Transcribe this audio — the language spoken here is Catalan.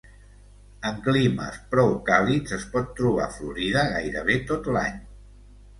En climes prou càlids es pot trobar florida gairebé tot l'any.